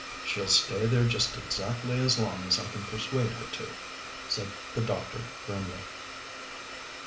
"She'll stay there just exactly as long as I can persuade her to," said the doctor grimly.